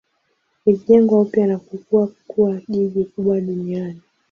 Ilijengwa upya na kukua kuwa jiji kubwa duniani.